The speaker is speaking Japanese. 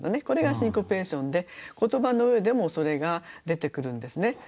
これがシンコペーションで言葉の上でもそれが出てくるんですね。